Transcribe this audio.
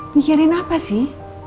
mikirin apa sih